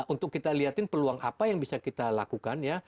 untuk kita liatin peluang apa yang bisa kita lakukan ya